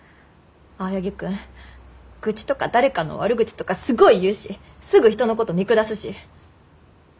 青柳君愚痴とか誰かの悪口とかすごい言うしすぐ人のこと見下すし。